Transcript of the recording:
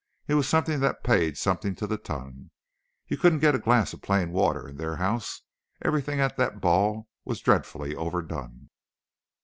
It was something that paid something to the ton. You couldn't get a glass of plain water in their house. Everything at that ball was dreadfully overdone."